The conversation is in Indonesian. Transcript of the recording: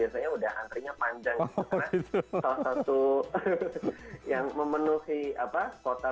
indonesia yang bikin takjil itu mereka biasanya udah antre panjang satu yang memenuhi apa kota